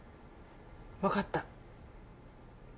分かった。